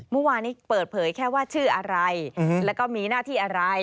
เมื่อวานนี้เปิดเผยแค่ว่าชื่ออะไรแล้วก็มีหน้าที่อะไร